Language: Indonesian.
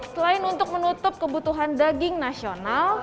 selain untuk menutup kebutuhan daging nasional